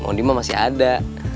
mau dimo masih ada